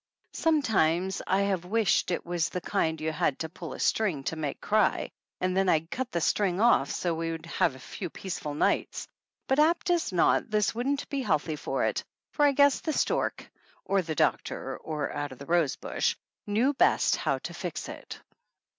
Sometimes I have wished it was the kind you had to pull a string to make cry, and then I'd cut the string off so we would have a few peaceful nights, but apt as not this wouldn't be healthy for it, for I guess the stork (or the doctor, or out of the rose bush) knew best how to fix it.